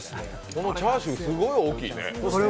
このチャーシュー、すごい大きいね。